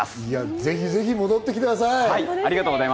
ぜひぜひ戻ってきてください。